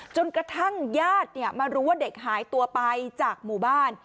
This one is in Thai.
จนกระทั่งญาติมารู้ว่าเด็กหายตัวไปจากหมู่บ้าน